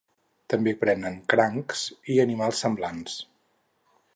També prenen crancs i animals semblants.